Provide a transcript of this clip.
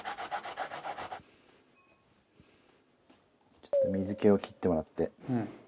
ちょっと水気を切ってもらって。